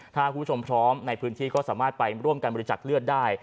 ถ้าคุณผู้ชมพร้อมในพื้นที่ก็สามารถไปร่วมกันบริจักษ์เลือดได้